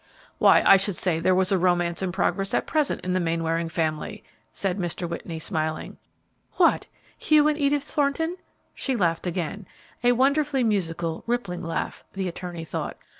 "Why, I should say there was a romance in progress at present in the Mainwaring family," said Mr. Whitney, smiling. "What! Hugh and Edith Thornton?" She laughed again, a wonderfully musical, rippling laugh, the attorney thought.